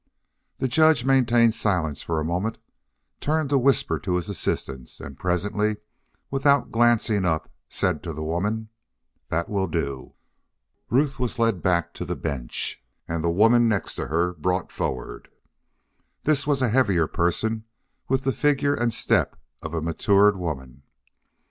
The judge maintained silence for a moment, turned to whisper to his assistants, and presently, without glancing up, said to the woman: "That will do." Ruth was led back to the bench, and the woman next to her brought forward. This was a heavier person, with the figure and step of a matured woman.